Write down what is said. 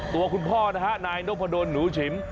ตัวคุณพ่อนะฮะนายนพดลหนูฉิม